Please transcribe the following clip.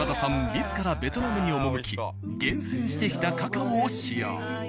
自らベトナムに赴き厳選してきたカカオを使用。